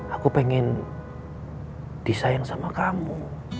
aku pengen disayang sama kamu